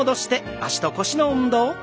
脚と腰の運動です。